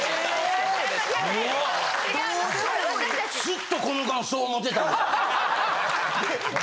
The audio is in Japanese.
・ずっとこの間そう思ってたんや。